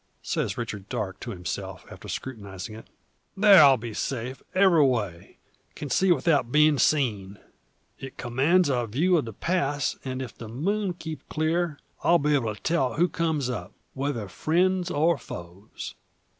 says Richard Darke to himself, after scrutinising it. "There I'll be safe every way; can see without being seen. It commands a view of the pass, and, if the moon keep clear, I'll be able to tell who comes up, whether friends or foes."